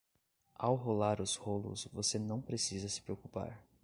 Ao rolar os rolos, você não precisa se preocupar.